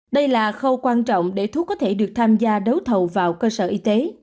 đây là khâu quan trọng để thuốc có thể được tham gia đấu thầu vào cơ sở y tế